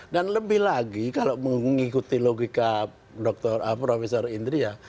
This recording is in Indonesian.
dan lebih lagi kalau mengikuti logika prof indria